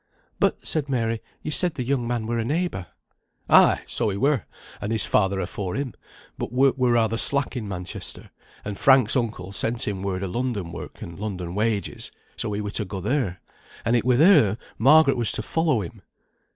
"But," said Mary, "you said the young man were a neighbour." "Ay, so he were; and his father afore him. But work were rather slack in Manchester, and Frank's uncle sent him word o' London work and London wages, so he were to go there; and it were there Margaret was to follow him.